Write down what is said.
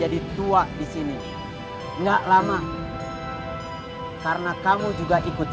gita lainnya um follow pemuda ibu ka